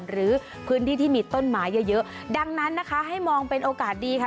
หรือพื้นที่ที่มีต้นไม้เยอะเยอะดังนั้นนะคะให้มองเป็นโอกาสดีค่ะ